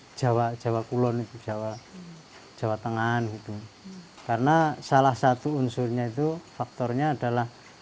di jawa jawa kulon itu jawa jawa tengah gitu karena salah satu unsurnya itu faktornya adalah